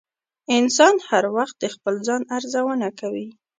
انسان هر وخت د خپل ځان ارزونه کوي.